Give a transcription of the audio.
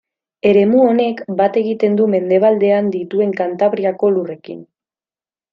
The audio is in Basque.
Eremu honek bat egiten du mendebaldean dituen Kantabriako lurrekin.